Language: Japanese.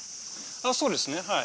そうですねはい。